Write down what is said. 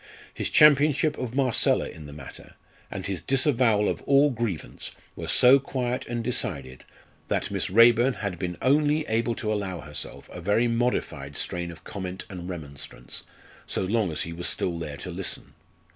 His championship of Marcella in the matter, and his disavowal of all grievance were so quiet and decided, that Miss Raeburn had been only able to allow herself a very modified strain of comment and remonstrance, so long as he was still there to listen.